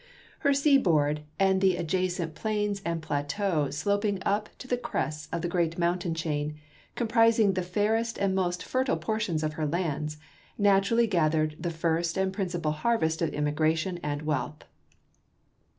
Her seaboard and the adjacent plains and plateaux sloping up to the crests of the great mountain chain, comprising the fairest and most fertile portion of her lands, naturally gathered the first and principal harvest of immigration and wealth.